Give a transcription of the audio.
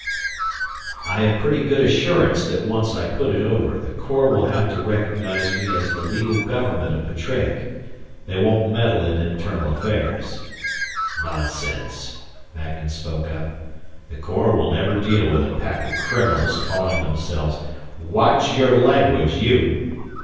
"I have pretty good assurance that once I put it over, the Corps will have to recognize me as the legal government of Petreac. They won't meddle in internal affairs." "Nonsense," Magnan spoke up. "The Corps will never deal with a pack of criminals calling themselves " "Watch your language, you!"